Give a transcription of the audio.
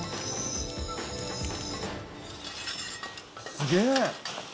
すげえ。